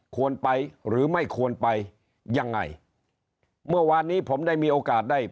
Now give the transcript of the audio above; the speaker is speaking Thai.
ควรไปหรือไม่ควรไปยังไงเมื่อวานนี้ผมได้มีโอกาสได้